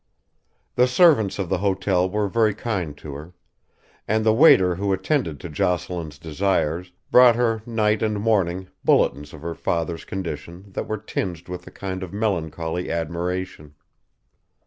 The servants of the hotel were very kind to her; and the waiter who attended to Jocelyn's desires brought her night and morning bulletins of her father's condition that were tinged with a kind of melancholy admiration.